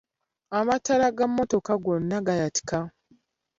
Amataala ga mmotoka gonna gaayatika.